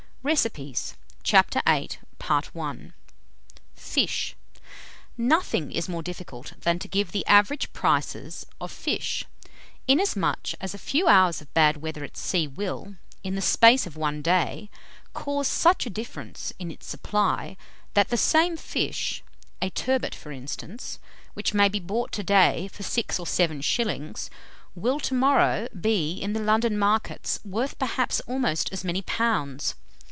RECIPES. CHAPTER VIII. FISH. [_Nothing is more difficult than to give the average prices of Fish, inasmuch as a few hours of bad weather at sea will, in the space of one day, cause such a difference in its supply, that the same fish a turbot for instance which may be bought to day for six or seven shillings, will, to morrow, be, in the London markets, worth, perhaps, almost as many pounds.